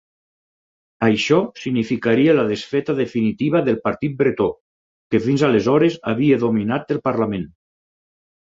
Això significaria la desfeta definitiva del partit bretó, que fins aleshores havia dominat el parlament.